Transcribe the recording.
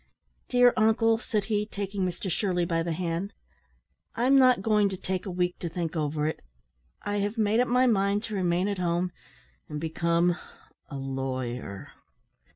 "Dear uncle," said he, taking Mr Shirley by the hand, "I'm not going to take a week to think over it. I have made up my mind to remain at home, and become a lawyer."